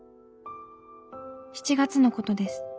７月のことです。